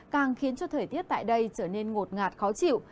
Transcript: càng khiến cho thời tiết tại đây trở nên ngột ngạt khó chịu